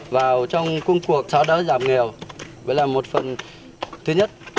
vào trong công cuộc xóa đỡ giảm nghèo với là một phần thứ nhất